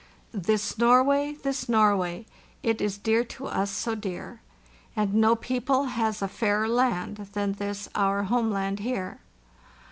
"This Norway, this Norway. . It is dear to. us, so dear, And no people has a fairer land than this our homeland here.